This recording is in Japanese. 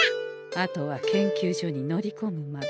あとは研究所に乗りこむまで。